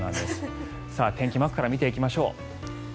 天気マークから見ていきましょう。